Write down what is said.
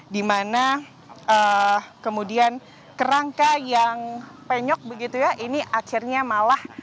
dimana kemudian kerangka yang penyok begitu ya ini akhirnya malah